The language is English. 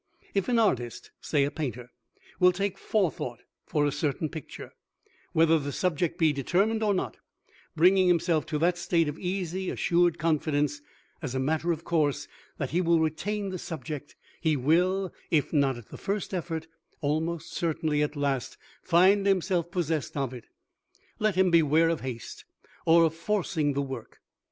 If an artist, say a painter, will take forethought for a certain picture, whether the subject be determined or not, bringing himself to that state of easy, assured confidence, as a matter of course that he will retain the subject he will, if not at the first effort, almost certainly at last find himself possessed of it. Let him beware of haste, or of forcing the work.